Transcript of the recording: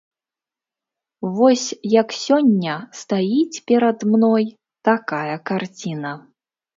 Вось як сёння стаіць перад мной такая карціна.